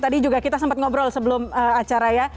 tadi juga kita sempat ngobrol sebelum acara ya